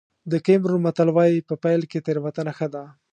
د کېمرون متل وایي په پيل کې تېروتنه ښه ده.